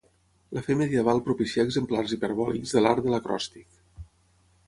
La fe medieval propicià exemplars hiperbòlics de l'art de l'acròstic.